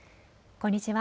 こんにちは。